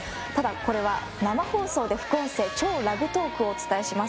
これは、生放送で副音声「＃超ラグトーク」をお伝えします。